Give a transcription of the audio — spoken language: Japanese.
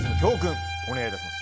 お願いいたします。